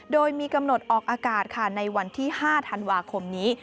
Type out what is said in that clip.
โดยมีกำหนดออกอากาศค่ะในวันที่๕ธันวาคมนี้